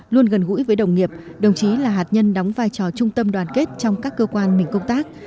luôn gần gũi với đồng nghiệp đồng chí là hạt nhân đóng vai trò trung tâm đoàn kết trong các cơ quan mình công tác